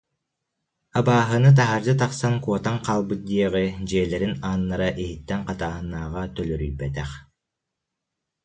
Абааһыны таһырдьа тахсан куотан хаалбыт диэҕи, дьиэлэрин ааннара иһиттэн хатааһыннааҕа төлөрүйбэтэх